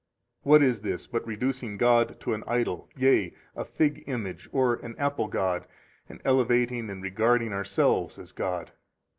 23 What is this but reducing God to an idol, yea, [a fig image or] an apple god, and elevating and regarding ourselves as God?